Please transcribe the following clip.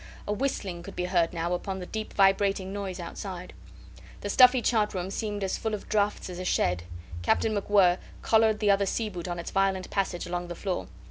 A whistling could be heard now upon the deep vibrating noise outside. The stuffy chart room seemed as full of draughts as a shed. Captain MacWhirr collared the other sea boot on its violent passage along the floor.